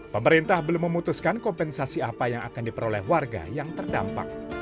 pemerintah belum memutuskan kompensasi apa yang akan diperoleh warga yang terdampak